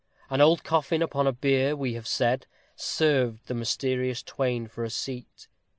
An old coffin upon a bier, we have said, served the mysterious twain for a seat.